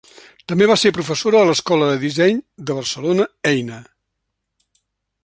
També va ser professora a l'Escola de disseny de Barcelona Eina.